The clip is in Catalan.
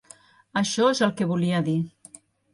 Això és el que volia dir.